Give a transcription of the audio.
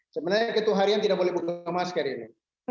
sebenarnya ketua harian tidak boleh buka masker ini